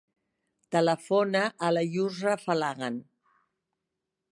Telefona a la Yousra Falagan.